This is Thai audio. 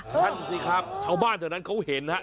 ท่านสิครับชาวบ้านเถอะนั้นเขาเห็นนะครับ